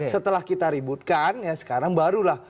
setelah kita ributkan ya sekarang barulah